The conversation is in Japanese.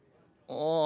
ああ